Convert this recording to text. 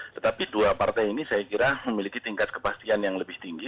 tetapi dua partai ini saya kira memiliki tingkat kepastian yang lebih tinggi